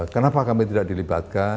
kenapa kami tidak dilibatkan